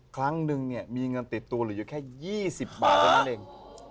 ครั้งนึงเนี่ยมีเงินติดตัวเหลืออยู่แค่๒๐บาทเท่านั้นเอง